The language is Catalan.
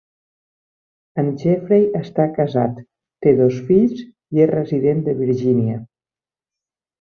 En Jeffrey està casat, té dos fills i és resident de Virgínia.